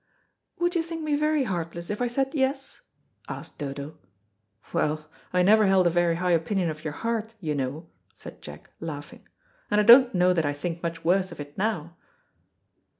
"Would you think me very heartless if I said 'Yes'?" asked Dodo. "Well, I never held a very high opinion of your heart, you know," said Jack, laughing, "and I don't know that I think much worse of it now."